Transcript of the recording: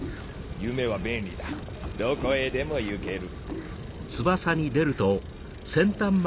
夢は便利だどこへでも行ける。